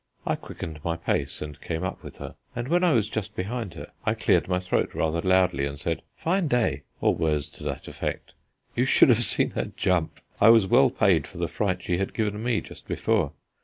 I quickened my pace and came up with her, and when I was just behind her, I cleared my throat rather loudly and said, "Fine day," or words to that effect. You should have seen her jump! I was well paid for the fright she had given me just before.